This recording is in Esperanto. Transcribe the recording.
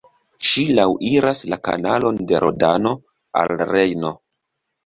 Ŝi laŭiras la kanalon de Rodano al Rejno.